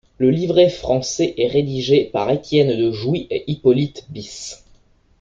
Le livret français est rédigé par Etienne de Jouy et Hippolyte Bis.